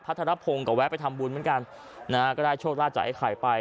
ธนพงศ์ก็แวะไปทำบุญเหมือนกันนะฮะก็ได้โชคลาภจากไอ้ไข่ไป